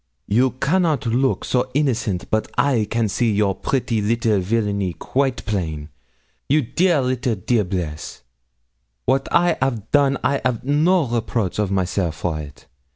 You cannot look so innocent but I can see your pretty little villany quite plain you dear little diablesse. 'Wat I 'av done I 'av no reproach of myself for it.